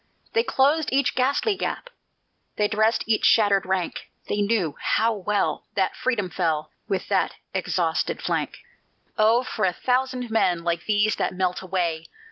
They closed each ghastly gap; They dressed each shattered rank; They knew how well That freedom fell With that exhausted flank. "Oh, for a thousand men Like these that melt away!"